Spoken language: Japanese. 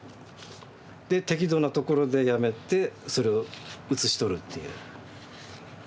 で適度なところでやめてそれを写し取るっていう。